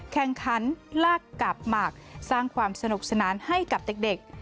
แข่งขันลากกาบหมักสร้างความสนุกสนานให้กับเด็ก